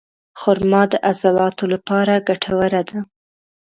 خرما د عضلاتو لپاره ګټوره ده.